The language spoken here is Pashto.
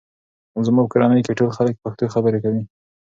زما په کورنۍ کې ټول خلک پښتو خبرې کوي.